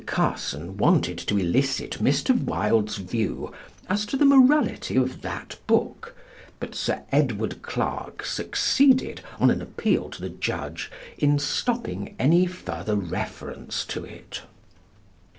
Carson wanted to elicit Mr. Wilde's view as to the morality of that book, but Sir Edward Clarke succeeded, on an appeal to the Judge, in stopping any further reference to it.